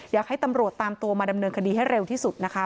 อยากให้ตำรวจตามตัวมาดำเนินคดีให้เร็วที่สุดนะคะ